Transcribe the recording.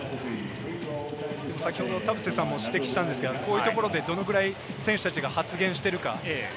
先ほど田臥さんも指摘したんですが、こういうところでどのくらい選手たちが発言しているか。